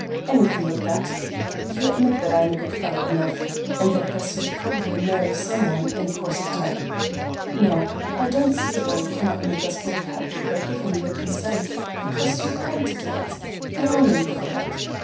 "Anything but that. You admit that I am a good fellow enough, and that Bessie would probably marry some one in course of time. Now, I don't see why you cannot make us both happy by giving your consent. It costs you a pang to do it. I honor you for that.